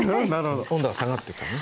温度が下がってきてね。